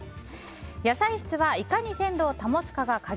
野菜室はいかに鮮度を保つかが鍵。